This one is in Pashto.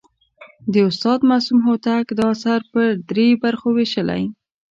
د استاد معصوم هوتک دا اثر پر درې برخو ویشلی.